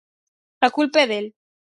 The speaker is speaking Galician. A culpa é del.